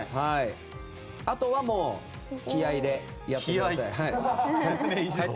あとはもう気合でやってください。